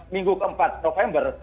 minggu keempat november